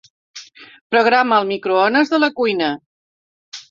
Programa el microones de la cuina.